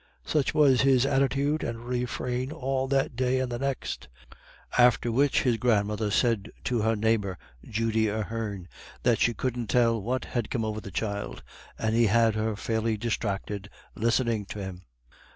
Such was his attitude and refrain all that day and the next. After which his grandmother said to her neighbour, Judy Ahern, that she couldn't tell what had come over the child, and he had her fairly distracted listening to him.